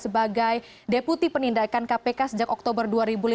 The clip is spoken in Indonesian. sebagai deputi penindakan kpk sejak oktober dua ribu lima belas